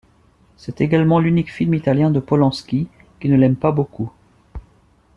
C'est également l'unique film italien de Polanski, qui ne l'aime pas beaucoup.